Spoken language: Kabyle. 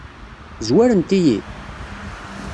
Zwarent-iyi?